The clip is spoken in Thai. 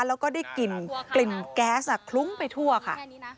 แล้วก็ได้กลิ่นแก๊สคลุ้งไปทั่วค่ะ